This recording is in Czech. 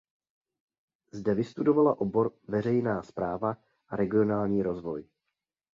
Zde vystudovala obor Veřejná správa a regionální rozvoj.